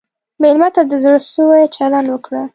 مېلمه ته د زړه سوي چلند وکړه.